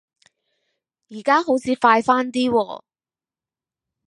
而家好似快返啲喎